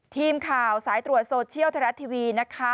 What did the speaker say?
ทีมข่าวสายตรวจโซเชียลไทยรัฐทีวีนะคะ